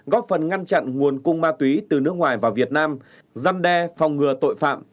góp phần ngăn chặn nguồn cung ma túy từ nước ngoài vào việt nam giăn đe phòng ngừa tội phạm